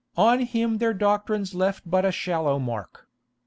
On him their doctrines left but a shallow mark.